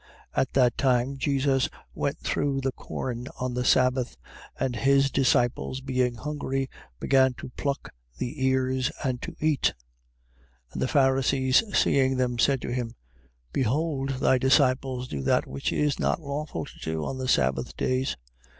12:1. At that time Jesus went through the corn on the sabbath: and his disciples being hungry, began to pluck the ears, and to eat. 12:2. And the Pharisees seeing them, said to him: Behold thy disciples do that which is not lawful to do on the sabbath days. 12:3.